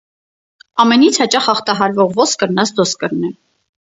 Ամենից հաճախ ախտահարվող ոսկրն ազդրոսկրն է։